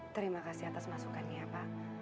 terima kasih atas masukan ya pak